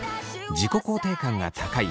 自己肯定感が高い